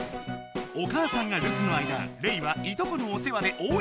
お母さんがるすの間レイはいとこのお世話で大いそがし。